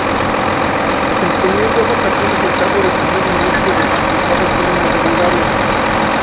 Desempeñó en dos ocasiones el cargo de primer ministro del Principado autónomo de Bulgaria.